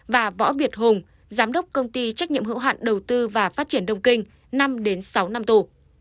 và võ việt hùng giám đốc công ty trách nhiệm hữu hạn đầu tư và phát triển đông kinh năm sáu năm tù